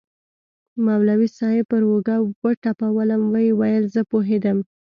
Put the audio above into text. مولوي صاحب پر اوږه وټپولوم ويې ويل زه پوهېدم.